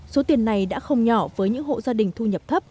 số tiền này đã không nhỏ với những hộ gia đình thu nhập thấp